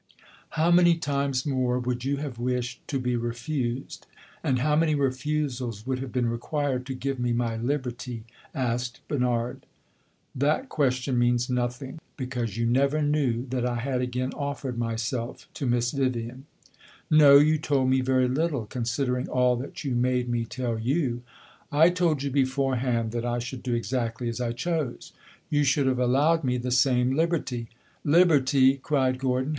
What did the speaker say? "How many times more would you have wished to be refused, and how many refusals would have been required to give me my liberty?" asked Bernard. "That question means nothing, because you never knew that I had again offered myself to Miss Vivian." "No; you told me very little, considering all that you made me tell you." "I told you beforehand that I should do exactly as I chose." "You should have allowed me the same liberty!" "Liberty!" cried Gordon.